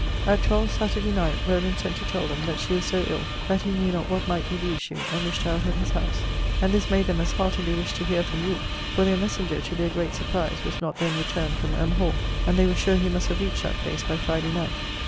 At twelve, Saturday night, Rowland sent to tell them, that she was so ill, that he knew not what might be the issue; and wished her out of his house. And this made them as heartily wish to hear from you. For their messenger, to their great surprise, was not then returned from M. Hall. And they were sure he must have reached that place by Friday night.